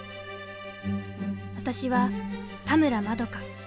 私は田村まどか。